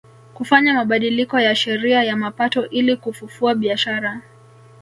Kufanya mabadiliko ya sheria ya mapato ili kufufua biashara